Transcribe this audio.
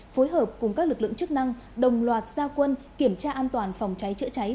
phối hợp cùng các lực lượng chức năng đồng loạt gia quân kiểm tra an toàn phòng cháy chữa cháy